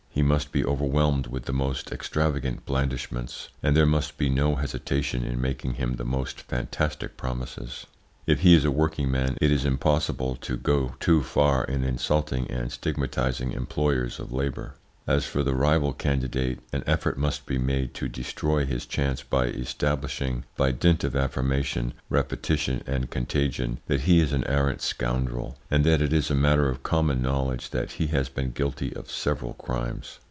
He must be overwhelmed with the most extravagant blandishments, and there must be no hesitation in making him the most fantastic promises. If he is a working man it is impossible to go too far in insulting and stigmatising employers of labour. As for the rival candidate, an effort must be made to destroy his chance by establishing by dint of affirmation, repetition, and contagion that he is an arrant scoundrel, and that it is a matter of common knowledge that he has been guilty of several crimes.